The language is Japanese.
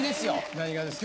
何がですか？